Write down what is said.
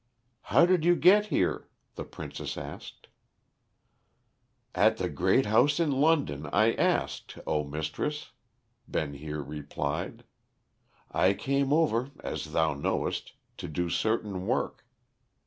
"How did you get here?" the princess asked. "At the great house in London I asked, O mistress," Ben Heer replied. "I came over, as thou knowest, to do certain work.